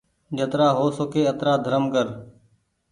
جترآ هو سڪي آترا ڌرم ڪر